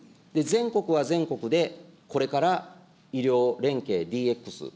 全国は全国で、これから医療連携ＤＸ